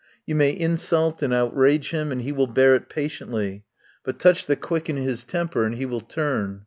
You may insult and outrage him and he will bear it patiently, but touch the quick in his temper and he will turn.